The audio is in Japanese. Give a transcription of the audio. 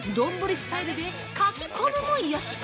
スタイルでかき込むもよし。